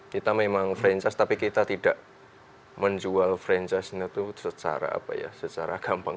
kita memang franchise tapi kita tidak menjual franchise nya itu secara gampang